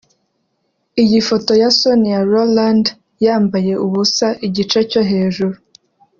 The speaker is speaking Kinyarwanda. Iyi foto ya Sonia Rolland yambaye ubusa igice cyo hejuru